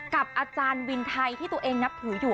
กับอาจารย์วินไทยที่ตัวเองนับถืออยู่